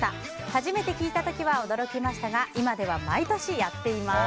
初めて聞いた時は驚きましたが今では毎年やっています。